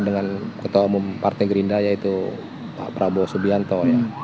dengan ketua umum partai gerindra yaitu pak prabowo subianto ya